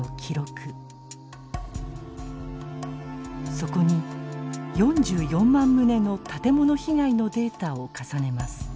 そこに４４万棟の建物被害のデータを重ねます。